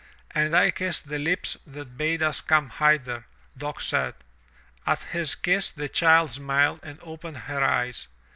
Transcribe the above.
"And I kiss the lips that bade us come hither," Dock said. At his kiss the child smiled and opened her eyes.